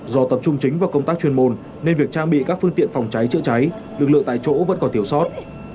do tập trung chính vào công tác chuyên môn nên việc trang bị các phương tiện phòng cháy chữa cháy lực lượng tại chỗ vẫn còn thiếu sót